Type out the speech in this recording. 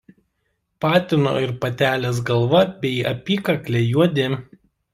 Patino ir patelės galva bei apykaklė juodi.